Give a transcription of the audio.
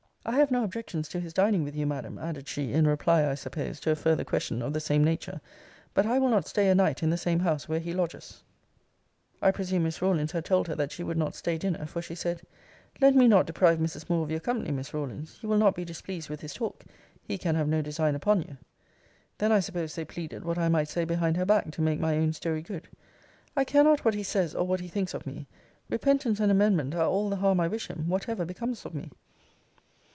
'I have no objections to his dining with you, Madam;' added she, in reply, I suppose, to a farther question of the same nature 'But I will not stay a night in the same house where he lodges.' I presume Miss Rawlins had told her that she would not stay dinner: for she said, 'Let me not deprive Mrs. Moore of your company, Miss Rawlins. You will not be displeased with his talk. He can have no design upon you.' Then I suppose they pleaded what I might say behind her back, to make my own story good: 'I care not what he says or what he thinks of me. Repentance and amendment are all the harm I wish him, whatever becomes of me!'